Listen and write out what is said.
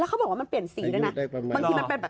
แล้วเขาบอกว่ามันเปลี่ยนสีน่ะน่ะบางทีมันแบบ